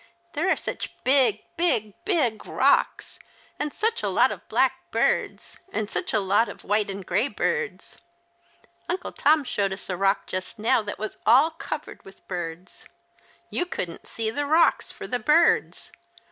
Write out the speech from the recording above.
There are such big, big, big rocks, and such a lot of black birds, and such a lot of white and grey birds. Uncle Tom showed us a rock just now that was all covered with birds. You couldn't see the rocks for the birds.